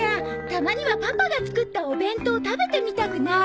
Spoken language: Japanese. たまにはパパが作ったお弁当食べてみたくない？